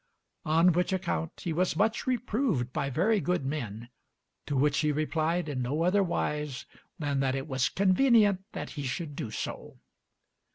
On which account he was much reproved by very good men, to which he replied in no other wise than that it was convenient that he should do so.